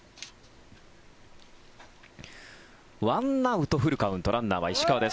１アウト、フルカウントランナーは石川です。